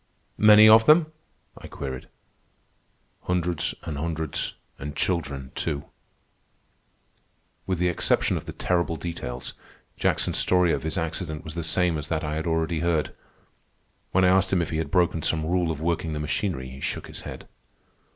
"Many of them?" I queried. "Hundreds an' hundreds, an' children, too." With the exception of the terrible details, Jackson's story of his accident was the same as that I had already heard. When I asked him if he had broken some rule of working the machinery, he shook his head.